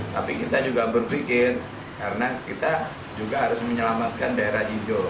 tapi kita juga berpikir karena kita juga harus menyelamatkan daerah hijau